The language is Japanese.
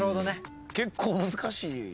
結構難しい。